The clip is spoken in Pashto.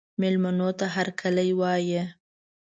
مېلمنو ته هرکلی وایه.